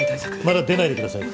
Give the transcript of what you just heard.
まだ出ないでください